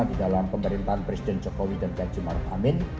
di dalam pemerintahan presiden jokowi dan jajimart amin